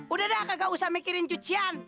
udah dah gak usah mikirin cucian